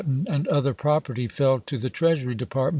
ton and other property fell to the Treasury Depart 1862.